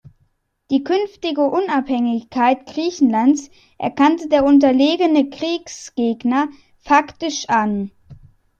Die künftige Unabhängigkeit Griechenlands erkannte der unterlegene Kriegsgegner faktisch an.